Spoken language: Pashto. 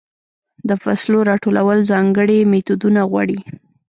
د فصلو راټولول ځانګړې میتودونه غواړي.